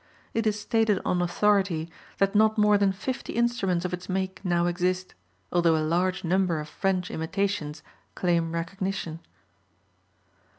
It is stated on authority that not more than fifty instruments of its make now exist, although a large number of French imitations claim recognition.